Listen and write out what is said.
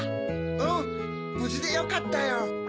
うんぶじでよかったよ。